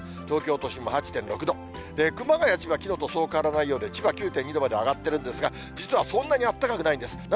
東京都心も８．６度、熊谷、千葉、きのうとそう変わらないようで、千葉９．２度まで上がってるんですが、実はそんなにあったかくないんです。